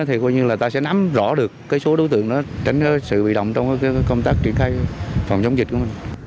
thì coi như là ta sẽ nắm rõ được cái số đối tượng đó tránh sự bị động trong công tác triển khai phòng chống dịch của mình